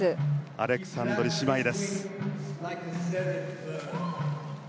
アレクサンドリ姉妹です。